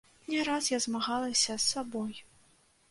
Не раз я змагалася з сабой.